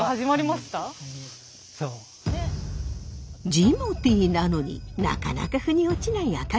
ジモティーなのになかなかふに落ちない赤木さん。